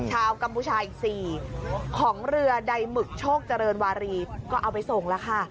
กัมพูชาอีก๔ของเรือใดหมึกโชคเจริญวารีก็เอาไปส่งแล้วค่ะ